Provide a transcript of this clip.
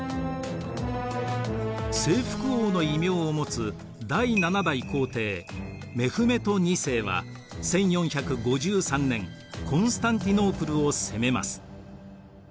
「征服王」の異名を持つ第７代皇帝メフメト２世は１４５３年コンスタンティノープルを攻めます。